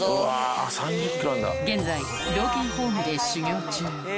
現在老犬ホームで修業中。